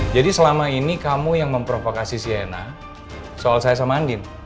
jadi selama ini kamu yang memprovokasi sienna soal saya sama andin